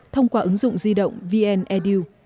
thông qua ứng dụng di động vn edu